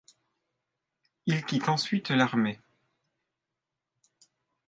Il quitte ensuite l'armée.